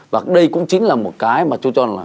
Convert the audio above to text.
và đây cũng chính là một cái mà tôi cho là